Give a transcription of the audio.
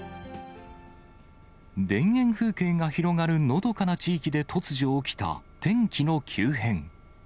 田園風景が広がるのどかな地域で突如起きた、天気の急変。